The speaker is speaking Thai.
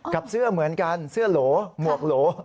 กับเสื้อเหมือนกันเสื้อโหลหมวกโหล